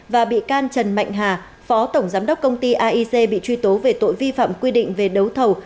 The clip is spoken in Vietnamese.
và bị can trần mạnh hà phó tổng giám đốc công ty aic bị truy tố về tội vi phạm quy định về đấu thầu